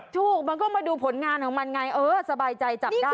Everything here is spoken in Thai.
มันก็มาดูผลงานของมันไงเออสบายใจจับได้